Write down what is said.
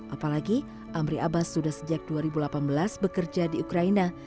apalagi amri abbas sudah sejak dua ribu delapan belas bekerja di ukraina